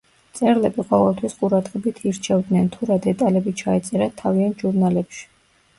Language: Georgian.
მწერლები ყოველთვის ყურადღებით ირჩევდნენ თუ რა დეტალები ჩაეწერათ თავიანთ ჟურნალებში.